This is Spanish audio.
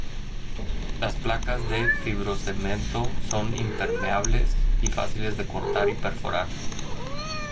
Las placas de fibrocemento son impermeables y fáciles de cortar y de perforar.